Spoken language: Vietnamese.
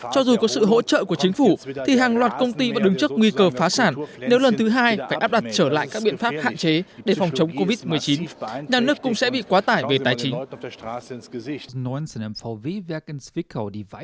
cho dù có sự hỗ trợ của chính phủ thì hàng loạt công ty vẫn đứng trước nguy cơ phá sản nếu lần thứ hai phải áp đặt trở lại các biện pháp hạn chế để phòng chống covid một mươi chín nhà nước cũng sẽ bị quá tải về tài chính